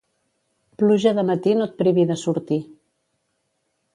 Pluja de matí no et privi de sortir.